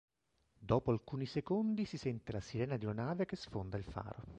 Dopo alcuni secondi si sente la sirena di una nave che sfonda il faro.